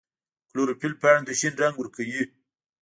کلوروفیل پاڼو ته شین رنګ ورکوي